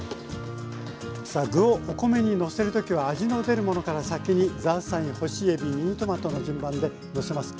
さあ具をお米にのせる時は味の出るものから先にザーサイ干しエビミニトマトの順番でのせます。